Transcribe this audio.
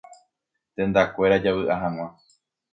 Tendakuéra javy'a hag̃ua.